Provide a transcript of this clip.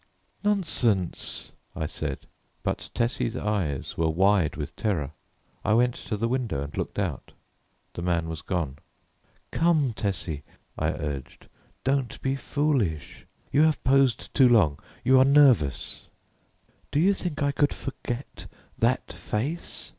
"Nonsense," I said, but Tessie's eyes were wide with terror. I went to the window and looked out. The man was gone. "Come, Tessie," I urged, "don't be foolish. You have posed too long; you are nervous." "Do you think I could forget that face?"